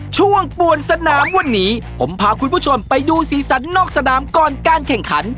ช่วงปวนสนามวันนี้ผมพาคุณผู้ชมไปดูสีสันนอกสนามก่อนการแข่งขัน